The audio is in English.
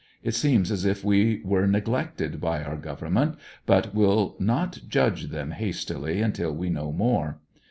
It seems as if we were neglected by our government but will not judge them hastily until we know more.